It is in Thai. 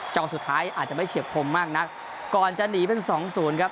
สุดท้ายอาจจะไม่เฉียบคมมากนักก่อนจะหนีเป็นสองศูนย์ครับ